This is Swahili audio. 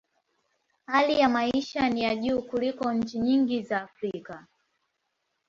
Hali ya maisha ni ya juu kuliko nchi nyingi za Afrika.